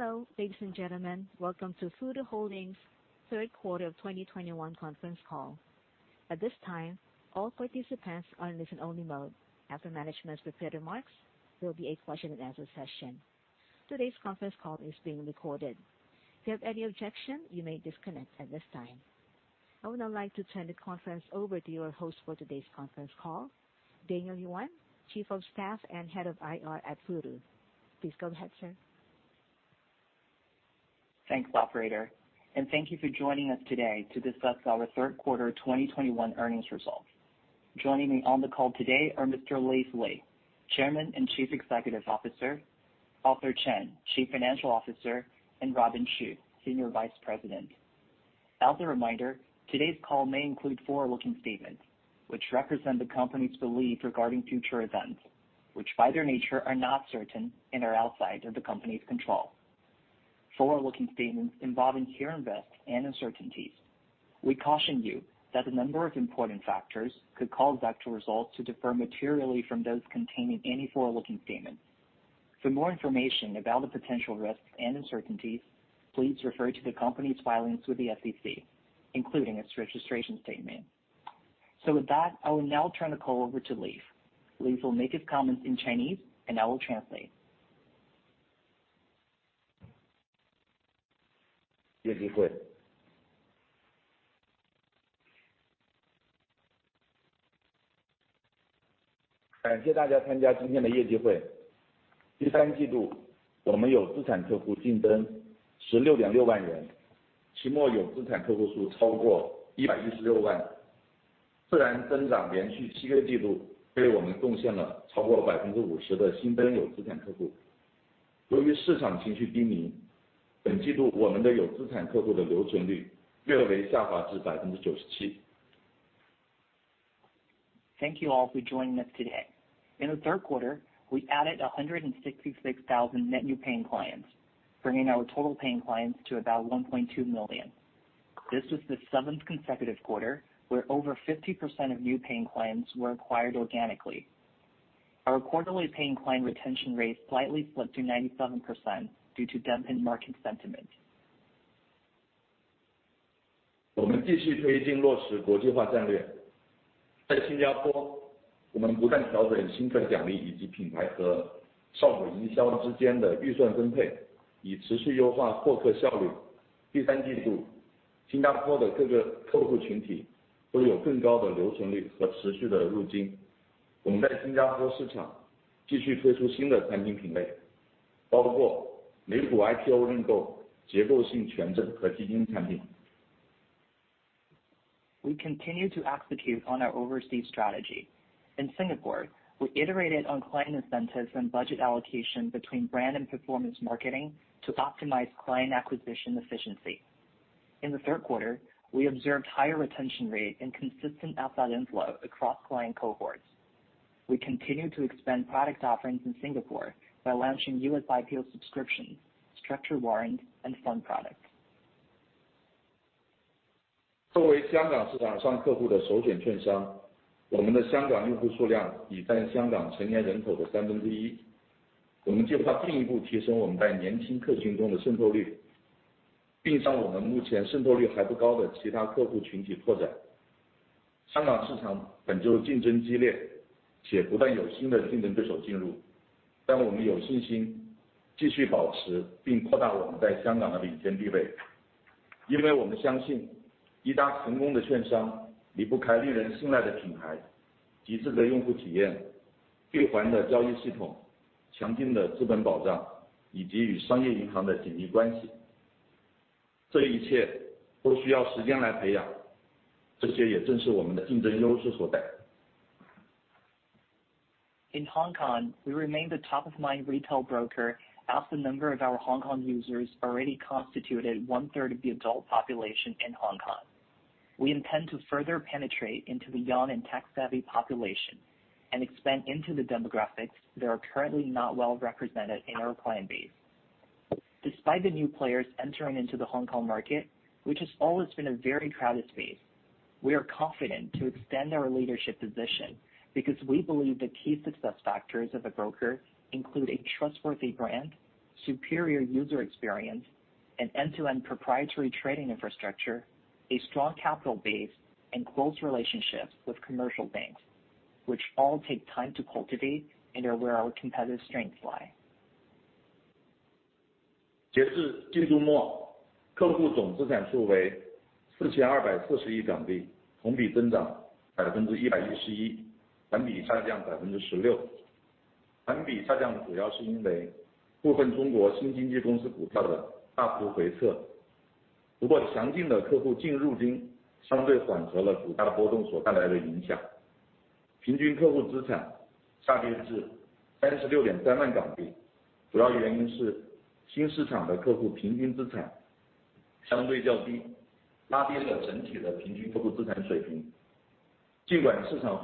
Hello, ladies and gentlemen. Welcome to Futu Holdings third quarter of 2021 conference call. At this time, all participants are in listen-only mode. After management's prepared remarks, there'll be a question-and-answer session. Today's conference call is being recorded. If you have any objection, you may disconnect at this time. I would now like to turn the conference over to your host for today's conference call, Daniel Yuan, Chief of Staff and Head of IR at Futu. Please go ahead, sir. Thanks, operator, and thank you for joining us today to discuss our third quarter 2021 earnings results. Joining me on the call today are Mr. Leaf Li, Chairman and Chief Executive Officer, Arthur Chen, Chief Financial Officer, and Robin Xu, Senior Vice President. As a reminder, today's call may include forward-looking statements, which represent the company's belief regarding future events, which, by their nature, are not certain and are outside of the company's control. Forward-looking statements involve inherent risks and uncertainties. We caution you that a number of important factors could cause actual results to differ materially from those contained in any forward-looking statements. For more information about the potential risks and uncertainties, please refer to the company's filings with the SEC, including its registration statement. With that, I will now turn the call over to Leaf. Leaf will make his comments in Chinese, and I will translate. Thank you all for joining us today. In the third quarter, we added 166,000 net new paying clients, bringing our total paying clients to about 1.2 million. This was the seventh consecutive quarter where over 50% of new paying clients were acquired organically. Our quarterly paying client retention rate slightly slipped to 97% due to dampened market sentiment. We continue to execute on our overseas strategy. In Singapore, we iterated on client incentives and budget allocation between brand and performance marketing to optimize client acquisition efficiency. In the third quarter, we observed higher retention rate and consistent outside inflow across client cohorts. We continue to expand product offerings in Singapore by launching U.S. IPO subscription, structured warrant, and fund products. In Hong Kong, we remain the top-of-mind retail broker as the number of our Hong Kong users already constituted one-third of the adult population in Hong Kong. We intend to further penetrate into the young and tech-savvy population, and expand into the demographics that are currently not well represented in our client base. Despite the new players entering into the Hong Kong market, which has always been a very crowded space, we are confident to extend our leadership position because we believe the key success factors of a broker include a trustworthy brand, superior user experience, an end-to-end proprietary trading infrastructure, a strong capital base, and close relationships with commercial banks, which all take time to cultivate and are where our competitive strengths lie. 我们在两个季度之前获取的客户，其户均净入金和户均资产余额均增长至原来的三倍。As of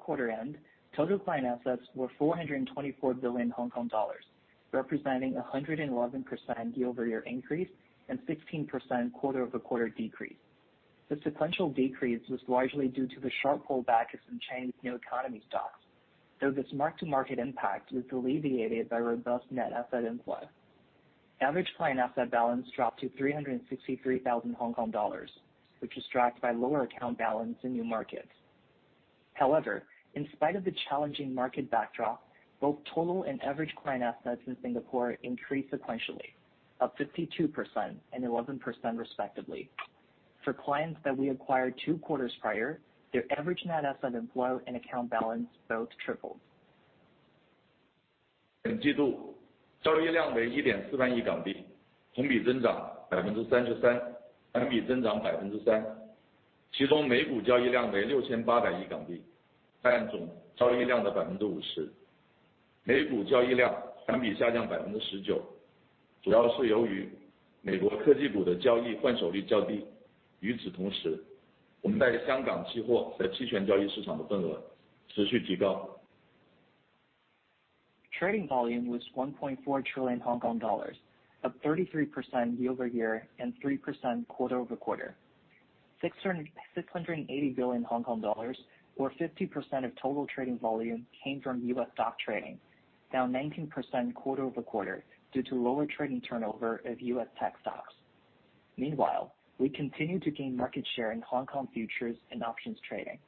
quarter end, total client assets were HKD 424 billion, representing 111% year-over-year increase and 16% quarter-over-quarter decrease. The sequential decrease was largely due to the sharp pullbacks in Chinese new economy stocks, though this mark-to-market impact was alleviated by robust net asset inflow. Average client asset balance dropped to 363,000 Hong Kong dollars, which was dragged by lower account balance in new markets. However, in spite of the challenging market backdrop, both total and average client assets in Singapore increased sequentially by 52% and 11% respectively. For clients that we acquired two quarters prior, their average net asset inflow and account balance both tripled. 本季度交易量为1.4万亿港币，同比增长33%，环比增长3%，其中美股交易量为6,800亿港币，占总交易量的50%。美股交易量相比下降19%，主要是由于美国科技股的交易换手率较低。与此同时，我们在香港期货和期权交易市场的份额持续提高。Trading volume was HKD 1.4 trillion, up 33% year-over-year and 3% quarter-over-quarter. 680 billion Hong Kong dollars, or 50% of total trading volume, came from U.S. stock trading, down 19% quarter-over-quarter due to lower trading turnover of U.S. tech stocks. Meanwhile, we continue to gain market share in Hong Kong futures and options trading.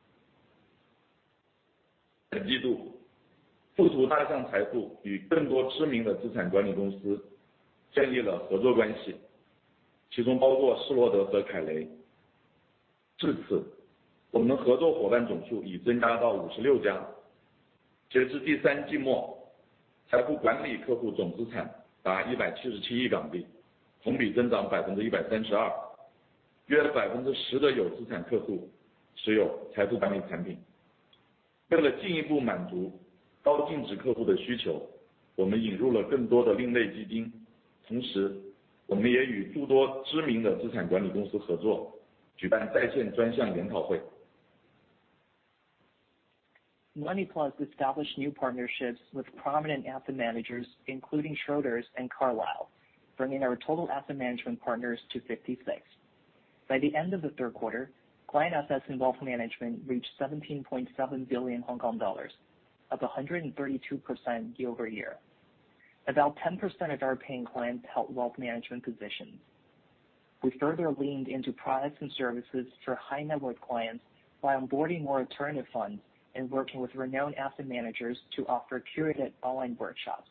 Money Plus established new partnerships with prominent asset managers, including Schroders and Carlyle, bringing our total asset management partners to 56. By the end of the third quarter, client assets and wealth management reached 17.7 billion Hong Kong dollars, up 132% year-over-year. About 10% of our paying clients held wealth management positions. We further leaned into products and services for high net worth clients by onboarding more alternative funds and working with renowned asset managers to offer curated online workshops.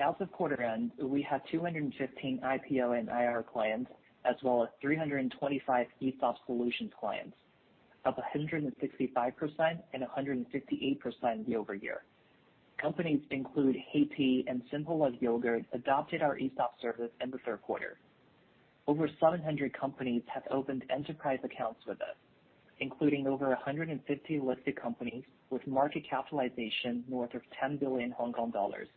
As of quarter end, we have 215 IPO and IR clients as well as 325 ESOP solution clients, up 165% and 158% year-over-year. Companies, including HEYTEA and Simple Love Yogurt, adopted our ESOP service in the third quarter. Over 700 companies have opened enterprise accounts with us, including over 150 listed companies with market capitalization north of 10 billion Hong Kong dollars.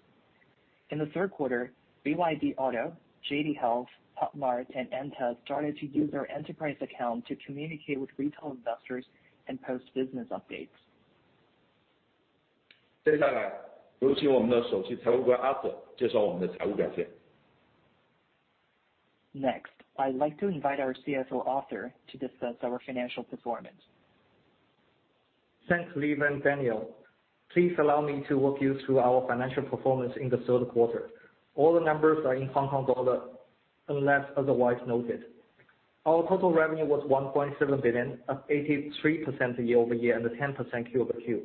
In the third quarter, BYD Auto, JD Health, Pop Mart and Anta started to use their enterprise account to communicate with retail investors and post business updates. 接下来有请我们的首席财务官 Arthur 介绍我们的财务表现。Next, I'd like to invite our CFO, Arthur, to discuss our financial performance. Thanks, Li and Daniel. Please allow me to walk you through our financial performance in the third quarter. All the numbers are in Hong Kong dollars unless otherwise noted. Our total revenue was 1.7 billion, up 83% year-over-year and 10% quarter-over-quarter.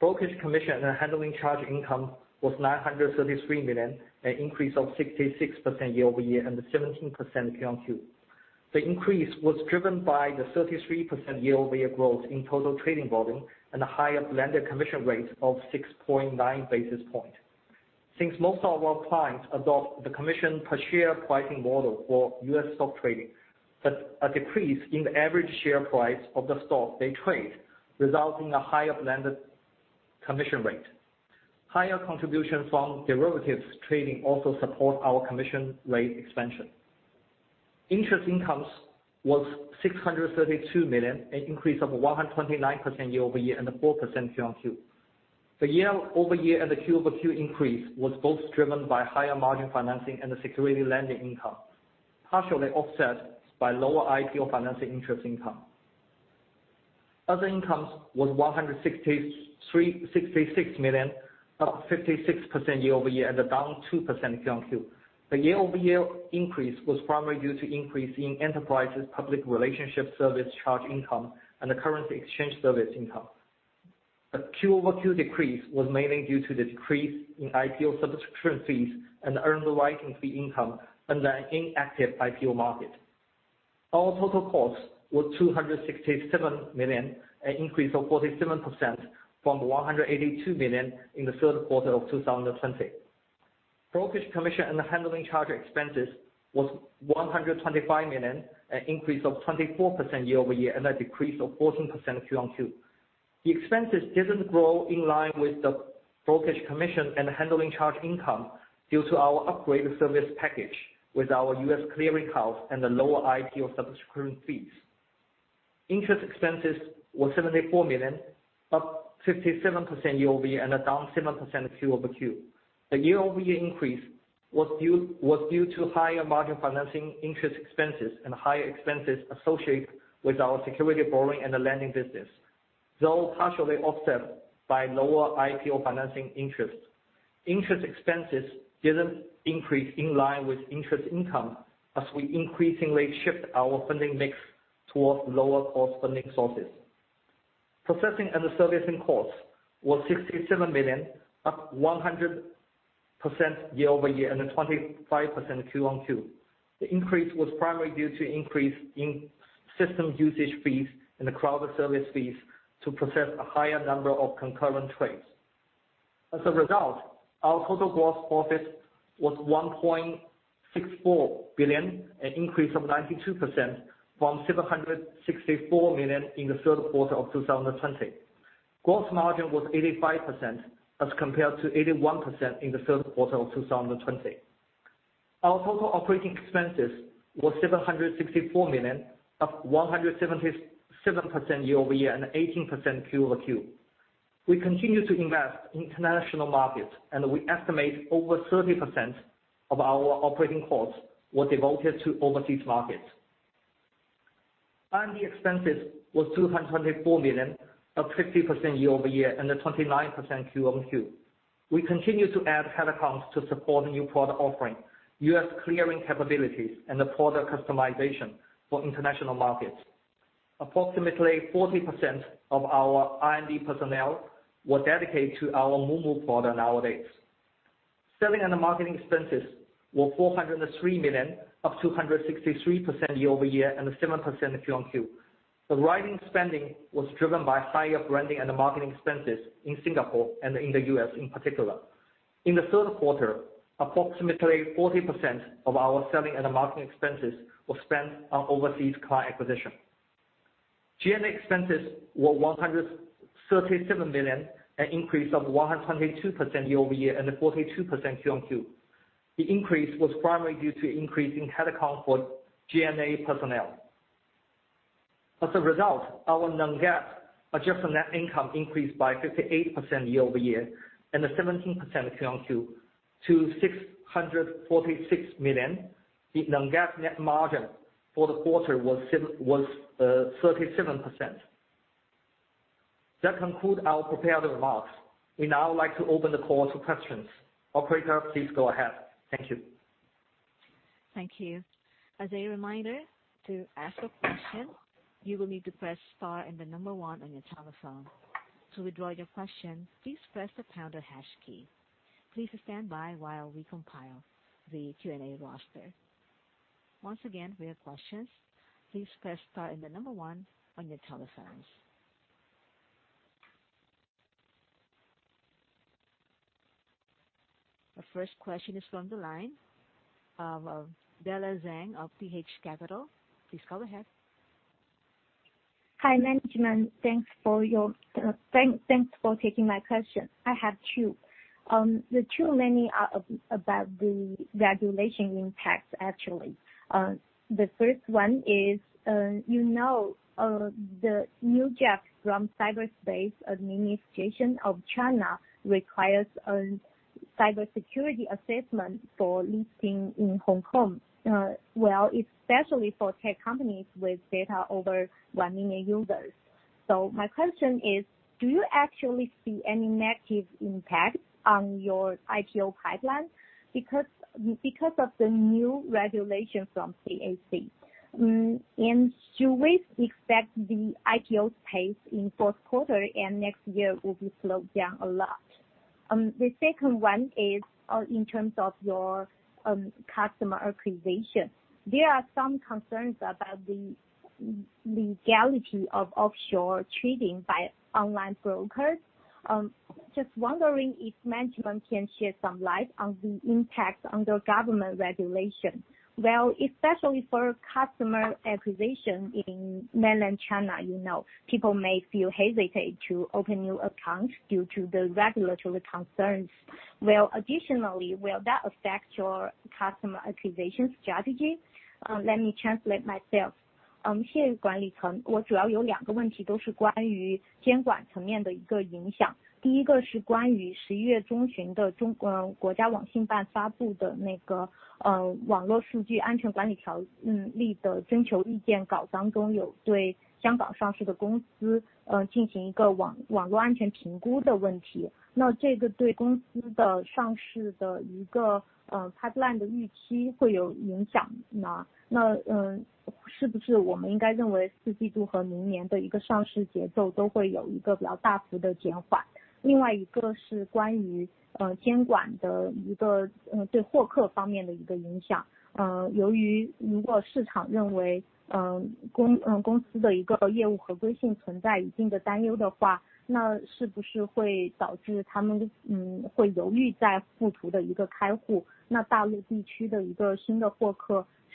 Brokerage commission and handling charge income was 933 million, an increase of 66% year-over-year and 17% quarter-over-quarter. The increase was driven by the 33% year-over-year growth in total trading volume and a higher blended commission rate of 6.9 basis points. Since most of our clients adopt the commission per share pricing model for U.S. stock trading, due to a decrease in the average share price of the stock they trade, resulting in a higher blended commission rate. Higher contribution from derivatives trading also support our commission rate expansion. Interest income was 632 million, an increase of 129% year-over-year and 4% quarter-over-quarter. The year-over-year and the quarter-over-quarter increase was both driven by higher margin financing and the security lending income, partially offset by lower IPO financing interest income. Other income was 166 million, up 56% year-over-year and down 2% quarter-over-quarter. The year-over-year increase was primarily due to increase in enterprise public relations service charge income and the currency exchange service income. The quarter-over-quarter decrease was mainly due to the decrease in IPO subscription fees and underwriting fee income and an inactive IPO market. Our total cost was 267 million, an increase of 47% from 182 million in the third quarter of 2020. Brokerage commission and handling charge expenses was $125 million, an increase of 24% year-over-year, and a decrease of 14% Q-o-Q. The expenses didn't grow in line with the brokerage commission and handling charge income due to our upgraded service package with our Futu Clearing Inc. and the lower IPO subscription fees. Interest expenses was $74 million, up 57% year-over-year and down 7% Q-o-Q. The year-over-year increase was due to higher margin financing interest expenses and higher expenses associated with our security borrowing and lending business, though partially offset by lower IPO financing interest. Interest expenses didn't increase in line with interest income as we increasingly shift our funding mix towards lower cost funding sources. Processing and servicing costs was $67 million, up 100% year-over-year and 25% Q-o-Q. The increase was primarily due to increase in system usage fees and the cloud service fees to process a higher number of concurrent trades. As a result, our total gross profit was 1.64 billion, an increase of 92% from 764 million in the third quarter of 2020. Gross margin was 85% as compared to 81% in the third quarter of 2020. Our total operating expenses was 764 million, up 177% year-over-year and 18% quarter-over-quarter. We continue to invest in international markets, and we estimate over 30% of our operating costs were devoted to overseas markets. R&D expenses was 224 million, up 50% year-over-year and 29% quarter-over-quarter. We continue to add headcounts to support new product offerings, U.S. clearing capabilities and the product customization for international markets. Approximately 40% of our R&D personnel were dedicated to our moomoo product nowadays. Selling and marketing expenses were 403 million, up 263% year-over-year and 7% quarter-over-quarter. The rising spending was driven by higher branding and marketing expenses in Singapore and in the U.S. in particular. In the third quarter, approximately 40% of our selling and marketing expenses were spent on overseas client acquisition. G&A expenses were 137 million, an increase of 122% year-over-year and 42% quarter-over-quarter. The increase was primarily due to increase in headcount for G&A personnel. As a result, our non-GAAP adjusted net income increased by 58% year-over-year and 17% Q-o-Q to $646 million. The non-GAAP net margin for the quarter was 37%. That concludes our prepared remarks. We'd now like to open the call to questions. Operator, please go ahead. Thank you. The first question is from the line of Bella Zhang of TH Capital. Please go ahead. Hi, management. Thanks for taking my question. I have two. The two mainly are about the regulation impact, actually. The first one is, you know, the new draft from Cyberspace Administration of China requires a cybersecurity assessment for listing in Hong Kong, well, especially for tech companies with data over 1 million users. So my question is, do you actually see any negative impact on your IPO pipeline because of the new regulation from CAC? And should we expect the IPO pace in fourth quarter and next year will be slowed down a lot? The second one is, in terms of your customer acquisition. There are some concerns about the legality of offshore trading by online brokers. Just wondering if management can shed some light on the impact under government regulation. Well, especially for customer acquisition in mainland China, you know, people may feel hesitant to open new accounts due to the regulatory concerns. Well, additionally, will that affect your customer acquisition strategy? Let me translate myself.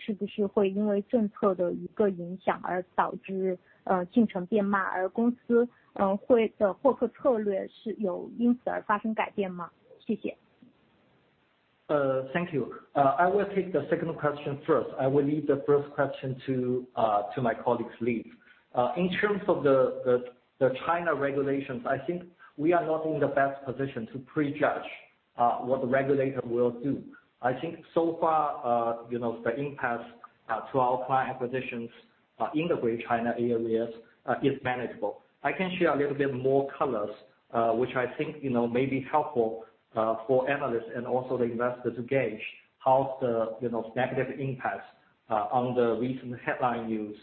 Thank you. I will take the second question first, I will leave the first question to my colleague Leaf. In terms of the China regulations, I think we are not in the best position to prejudge what the regulator will do. I think so far, you know the impact to our client positions in the Greater China areas is manageable. I can share a little bit more colors which I think may be helpful for analysts and also the investors to gauge how the negative impacts on the recent headline news.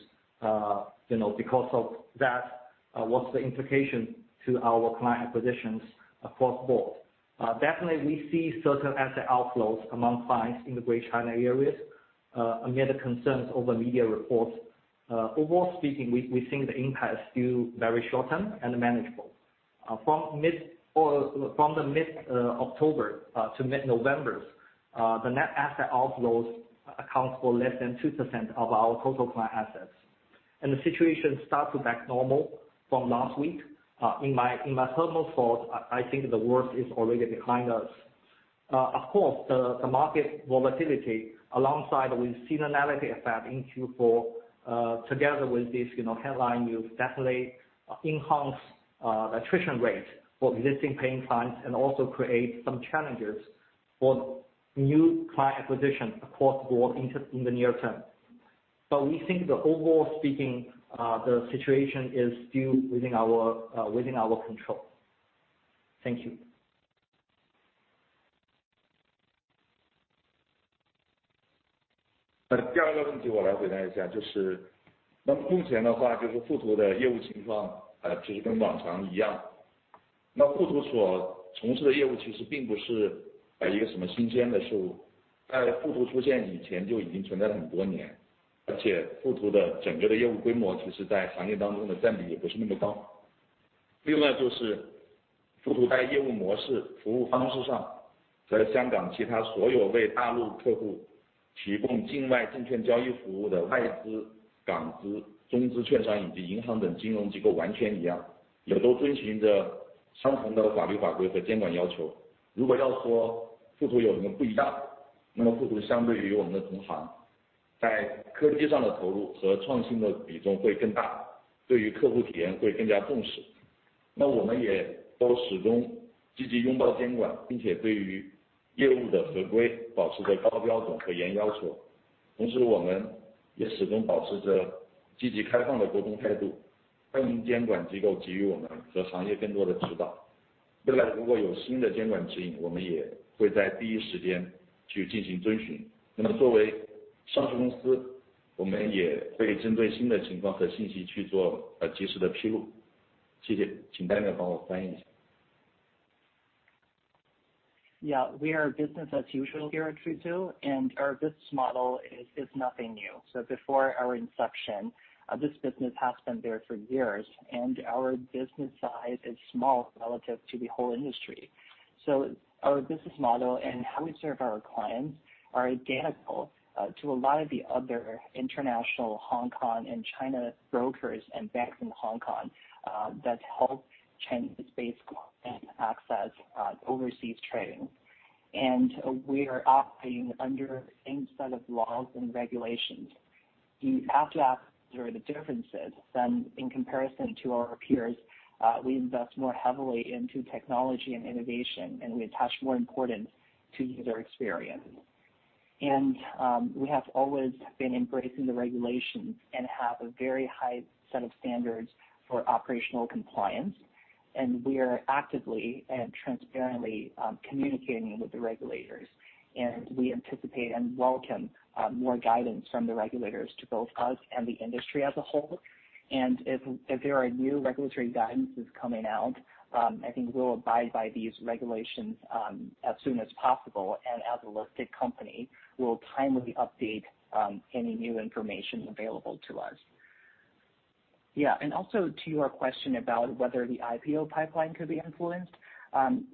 You know because of that what's the implication to our client positions across the board. Definitely we see certain asset outflows among clients in the Greater China areas amid concerns over media reports. Overall speaking, we think the impact is still very short term and manageable. From mid or from the mid-October to mid-November, the net asset outflows account for less than 2% of our total client assets. The situation starts to back to normal from last week. In my personal thought, I think the worst is already behind us. Of course, the market volatility alongside with seasonality effect in Q4, together with this, you know headline news definitely enhance attrition rates for existing paying clients and also create some challenges for new client acquisition across the board in the near term. We think overall speaking, the situation is still within our control. Thank you. Yeah, we are business as usual here at Futu. Our business model is nothing new. Before our inception, this business has been there for years. Our business size is small relative to the whole industry. Our business model and how we serve our clients are identical to a lot of the other international Hong Kong and China brokers and banks in Hong Kong that help Chinese-based clients access overseas trading. We are operating under the same set of laws and regulations. If you have to ask, there are the differences in comparison to our peers, we invest more heavily into technology and innovation, and we attach more importance to user experience. We have always been embracing the regulations and have a very high set of standards for operational compliance. We are actively and transparently communicating with the regulators, and we anticipate and welcome more guidance from the regulators to both us and the industry as a whole. If there are new regulatory guidances coming out, I think we will abide by these regulations as soon as possible. As a listed company, we will timely update any new information available to us. Yeah, also to your question about whether the IPO pipeline could be influenced.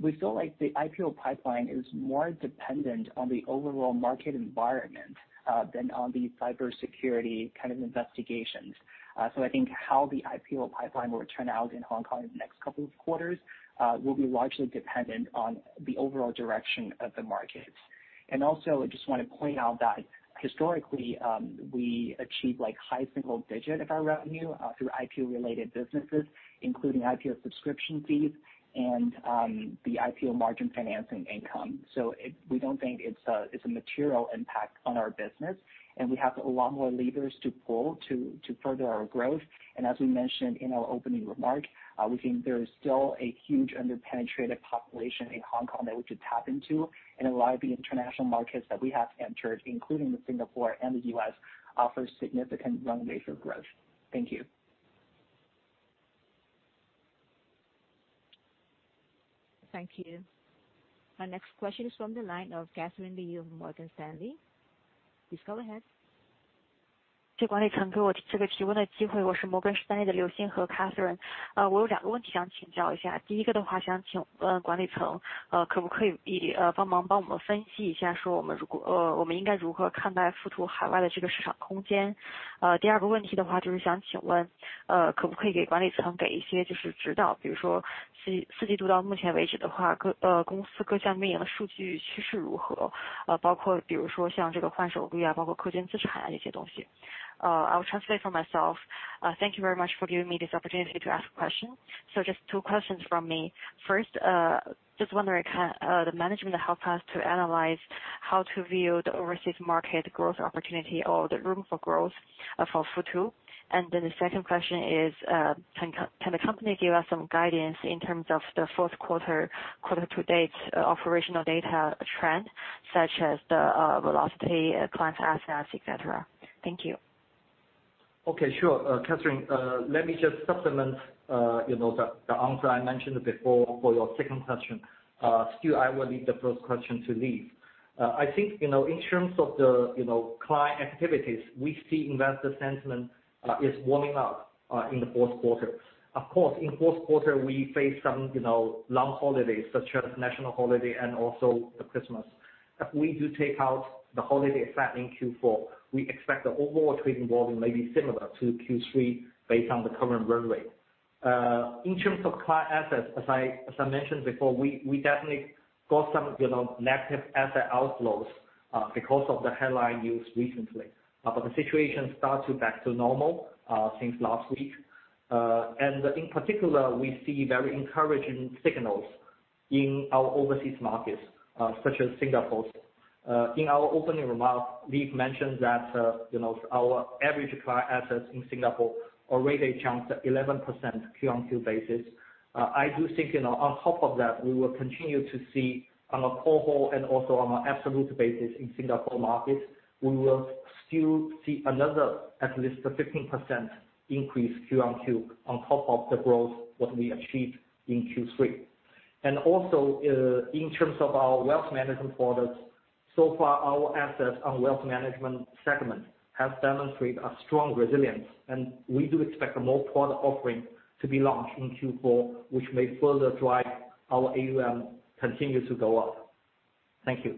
We feel like the IPO pipeline is more dependent on the overall market environment than on the cybersecurity kind of investigations. I think how the IPO pipeline will turn out in Hong Kong in the next couple of quarters will be largely dependent on the overall direction of the market. I just want to point out that historically, we achieved like high single digit of our revenue through IPO related businesses, including IPO subscription fees and, the IPO margin financing income. We don't think it's a material impact on our business, and we have a lot more levers to pull to further our growth. As we mentioned in our opening remarks, we think there is still a huge under-penetrated population in Hong Kong that we could tap into, and a lot of the international markets that we have entered, including Singapore and the U.S., offer significant runways for growth. Thank you. Thank you. Our next question is from the line of Katherine Liu of Morgan Stanley. Please go ahead. 谢谢管理层给我这个提问的机会，我是Morgan Stanley的Katherine Liu，我有两个问题想请教一下。第一个的话想请问管理层，可不可以帮忙我们分析一下，我们应该如何看待富途海外的这个市场空间。第二个问题的话，就是想请问，可不可以给管理层一些指导，比如说第四季度到目前为止的话，公司各项运营的数据趋势如何，包括比如说像这个换手率啊，包括客户资产啊这些东西。I'll translate for myself. Thank you very much for giving me this opportunity to ask questions. Just two questions from me. First, just wondering, the management help us to analyze how to view the overseas market growth opportunity or the room for growth, for Futu. The second question is, can the company give us some guidance in terms of the fourth quarter to date, operational data trend such as the velocity, clients' assets, etc. Thank you. Okay, sure. Katherine, let me just supplement, you know, the answer I mentioned before for your second question. Still I will leave the first question to Leaf. I think you know, in terms of, you know, client activities we see investor sentiment is warming up in the fourth quarter. Of course, in fourth quarter, we face some long holidays such as national holiday and also Christmas. If we do take out the holiday effect in Q4, we expect the overall trading volume may be similar to Q3 based on the current run rate. In terms of client assets, as I mentioned before, we definitely got some, you know, negative asset outflows because of the headline news recently. But the situation starts to get back to normal since last week. In particular, we see very encouraging signals in our overseas markets, such as Singapore. In our opening remarks, we've mentioned that our average client assets in Singapore already jumped 11% Q-on-Q basis. I do think on top of that, we will continue to see on a cohort and also on an absolute basis in Singapore market, we will still see another at least 15% increase Q-on-Q on top of the growth what we achieved in Q3. In terms of our wealth management products, so far our assets on wealth management segment has demonstrated a strong resilience, and we do expect more product offering to be launched in Q4, which may further drive our AUM to continue to go up. Thank you.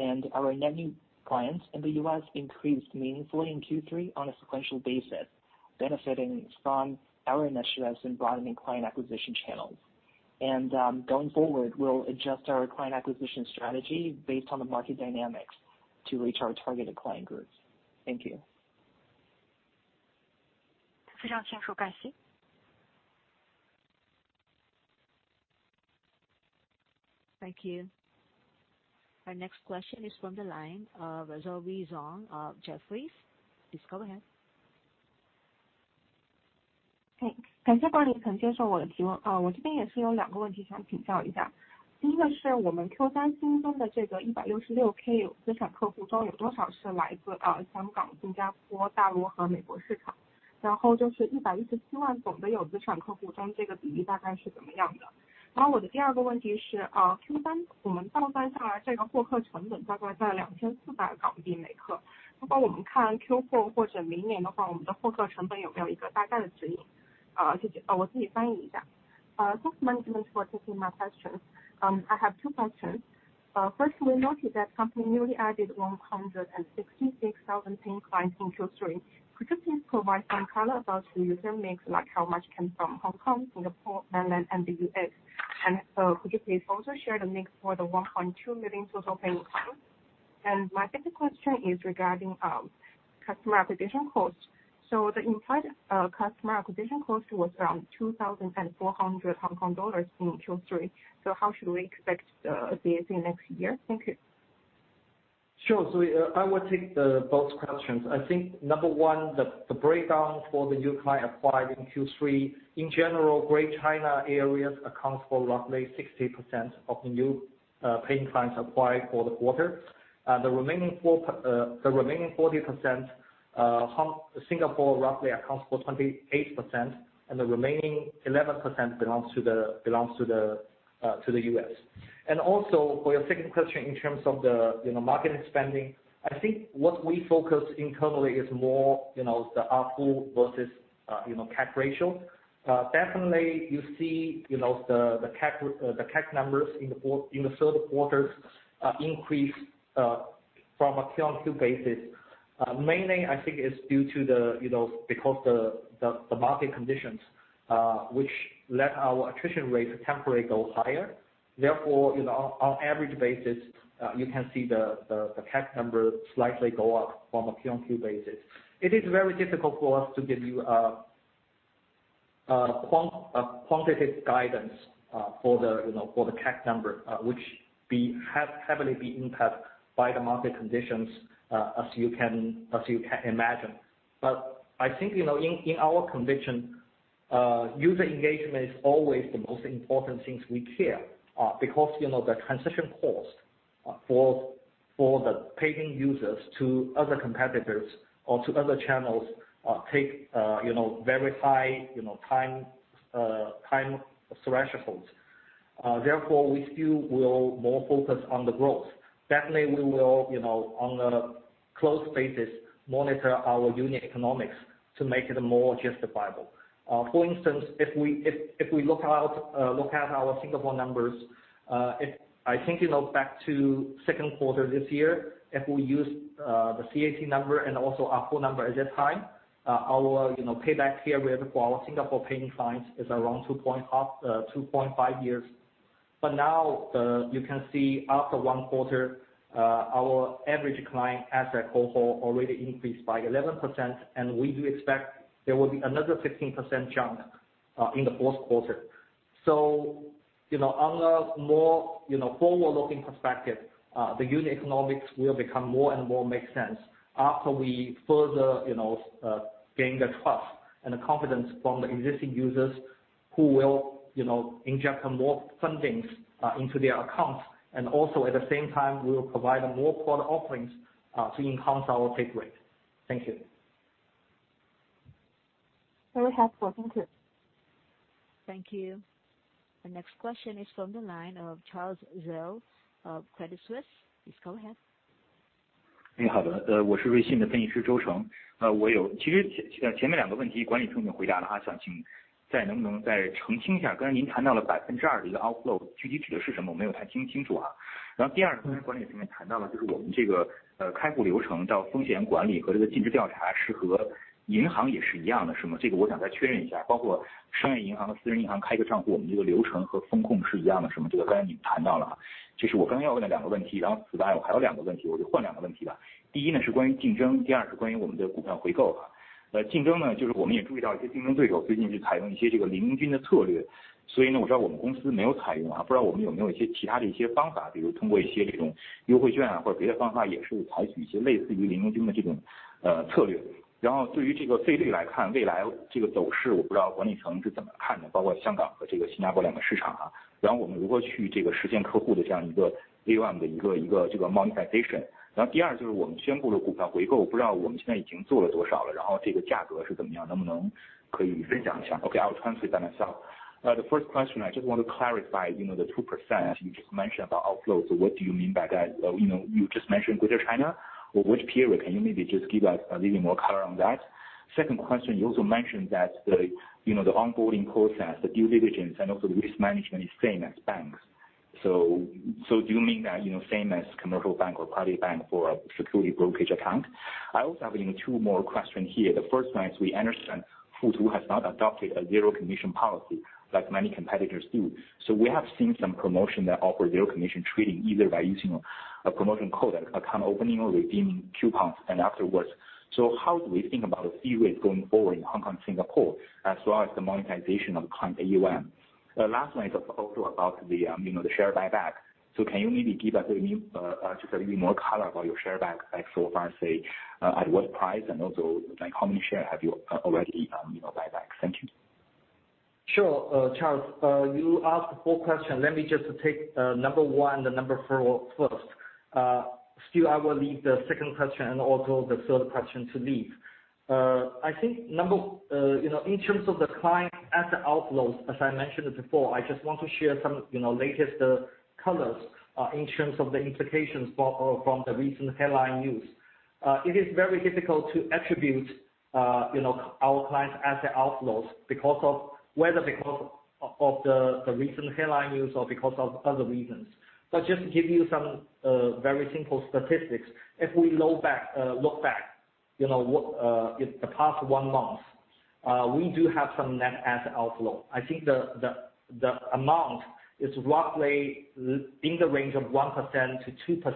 以帮助我们能够更加精准地去触达目标人群。谢谢。Thank you. Our next question is from the line of Zoey Zong of Jefferies. Please go ahead. 我这边也是有两个问题想请教一下。第一个是我们Q3新增的这个166K有资产客户中，有多少是来自香港、新加坡、大陆和美国市场？然后就是117万总的有资产客户中，这个比例大概是怎么样的？然后我的第二个问题是，Q3我们倒算下来，这个获客成本大概在HKD 2,400每客，包括我们看Q4或者明年的话，我们的获客成本有没有一个大概的指引？我自己翻译一下。Thanks management for taking my questions. I have two questions. First we noted that company newly added 166,000 paying clients in Q3. Could you please provide some color about the user mix, like how much came from Hong Kong, Singapore, Mainland and the U.S.? Could you please also share the mix for the 1.2 million total paying accounts? My second question is regarding customer acquisition costs. The implied customer acquisition cost was around 2,400 Hong Kong dollars in Q3. How should we expect this in next year? Thank you. Sure. I will take both questions. I think number one, the breakdown for the new client acquired in Q3. In general, Greater China areas accounts for roughly 60% of the new paying clients acquired for the quarter. The remaining forty percent, Hong Kong-Singapore roughly accounts for 28%, and the remaining 11% belongs to the U.S. For your second question in terms of the marketing spending, I think what we focus internally is more, you know, the ARPU versus CAC ratio. Definitely you see the CAC numbers in the third quarter increase from a Q-on-Q basis. Mainly I think it's due to you know, because the market conditions, which let our attrition rate temporarily go higher. Therefore, you know, on average basis, you can see the CAC number slightly go up from a Q-on-Q basis. It is very difficult for us to give you a quantitative guidance for for the CAC number, which have heavily been impacted by the market conditions, as you can imagine. But I think in our conviction, user engagement is always the most important things we care, because you know, the transition cost for the paying users to other competitors or to other channels take very high time thresholds. Therefore, we still will more focus on the growth. Definitely we will, you know, on a close basis, monitor our unit economics to make it more justifiable. For instance, if we look at our Singapore numbers, I think back to second quarter this year, if we use the CAC number and also ARPU number at that time, our, you know, payback period for our Singapore paying clients is around 2.5 years. But now, you can see after one quarter, our average client asset cohort already increased by 11% and we do expect there will be another 15% jump, in the fourth quarter. You know, on a more forward-looking perspective, the unit economics will become more and more make sense after we further gain the trust and the confidence from the existing users who will inject more fundings into their accounts. Also at the same time we will provide more product offerings to enhance our take rate. Thank you. Very helpful. Thank you. Thank you. The next question is from the line of Charles Zhou of Credit Suisse. Please go ahead. The first question I just want to clarify the 2% you just mentioned about outflows, what do you mean by that? You just mentioned Greater China. Which period can you maybe just give us a little more color on that? Second question, you also mentioned that the, you know, the onboarding process, the due diligence and also the risk management is same as banks. So do you mean that same as commercial bank or private bank for a securities brokerage account? I also have two more questions here. The first one is, we understand Futu has not adopted a zero commission policy like many competitors do. So we have seen some promotion that offer zero commission trading, either by using a promotion code at account opening or redeeming coupons and afterwards. How do we think about the fee rate going forward in Hong Kong, Singapore as well as the monetization of client AUM? The last one is also about the share buyback, so can you maybe give us just a little more color about your share buyback so far, say at what price and also like how many shares have you already bought back? Thank you. Sure. Charles, you asked four question. Let me just take number one and number four first. Still I will leave the second question and also the third question to Leaf. I think in terms of the client asset outflows, as I mentioned before, I just want to share some latest colors in terms of the implications from the recent headline news. It is very difficult to attribute our client asset outflows because of whether because of the recent headline news or because of other reasons. But just to give you some very simple statistics, if we look back the past one month, we do have some net asset outflow. I think the amount is roughly in the range of 1%-2%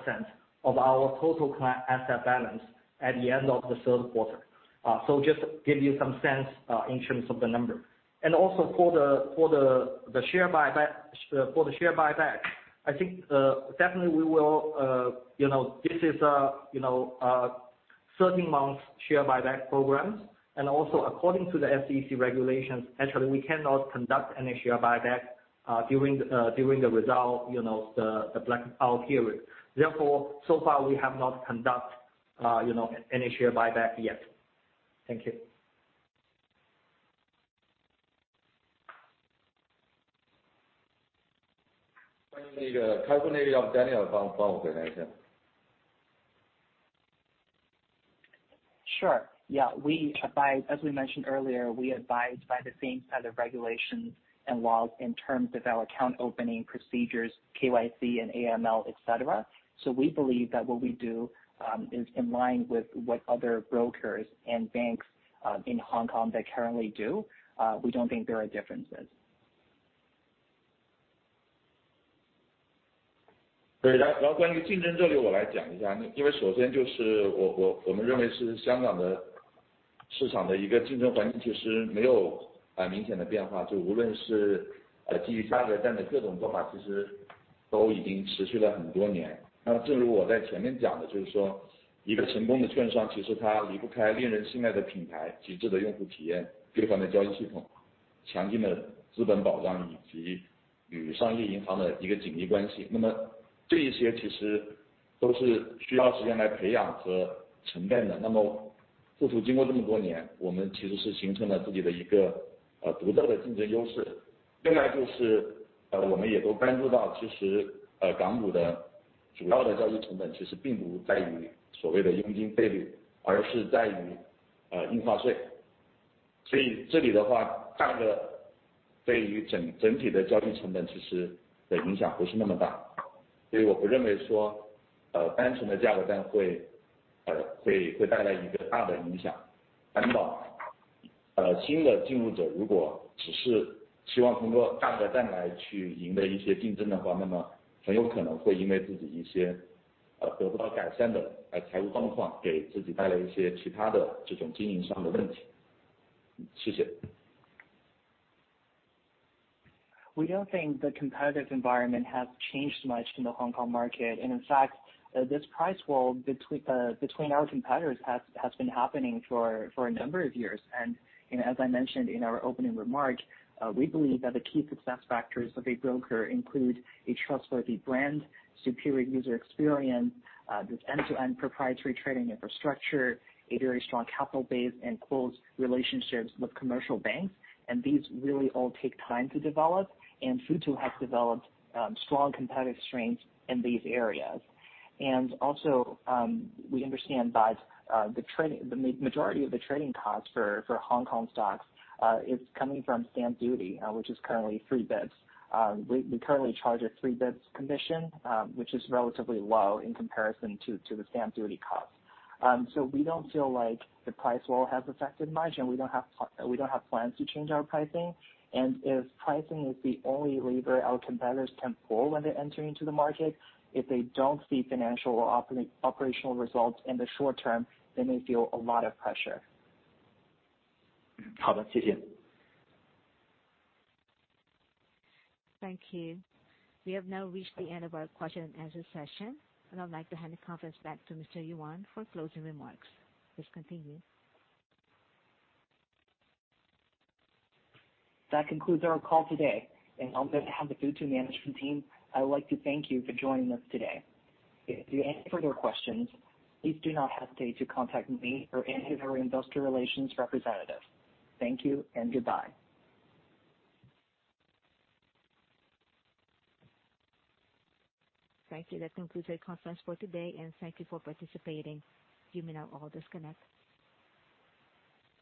of our total client asset balance at the end of the third quarter. So just give you some sense in terms of the number. Also for the share buyback. For the share buyback, I think definitely we will this is a certain month share buyback programs. Also according to the SEC regulations, actually we cannot conduct any share buyback during the result, you know, the blackout period. Therefore, so far we have not conduct any share buyback yet. Thank you. 关于这个计算的，Daniel来跟我们分析一下。Sure. Yeah, as we mentioned earlier, we abide by the same set of regulations and laws in terms of our account opening procedures, KYC and AML etc. We believe that what we do is in line with what other brokers and banks in Hong Kong they currently do. We don't think there are differences. Thank you. We don't think the competitive environment has changed much in the Hong Kong market. In fact, this price war between our competitors has been happening for a number of years. As I mentioned in our opening remark, we believe that the key success factors of a broker include a trustworthy brand, superior user experience, this end-to-end proprietary trading infrastructure, a very strong capital base, and close relationships with commercial banks. These really all take time to develop, and Futu has developed strong competitive strengths in these areas. We also understand that the majority of the trading costs for Hong Kong stocks is coming from stamp duty, which is currently three basis points. We currently charge a three basis points commission, which is relatively low in comparison to the stamp duty cost. So we don't feel like the price war has affected much, and we don't have plans to change our pricing. If pricing is the only lever our competitors can pull when they're entering into the market, if they don't see financial or operational results in the short-term, they may feel a lot of pressure. Okay. Thank you. Thank you. We have now reached the end of our question-and-answer session, and I'd like to hand the conference back to Daniel Yuan for closing remarks. Please continue. That concludes our call today. On behalf of Futu management team, I would like to thank you for joining us today. If you have any further questions, please do not hesitate to contact me or any of our Investor Relations representative. Thank you, and goodbye. Thank you. That concludes our conference for today and thank you for participating. You may now all disconnect.